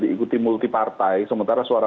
diikuti multipartai sementara suara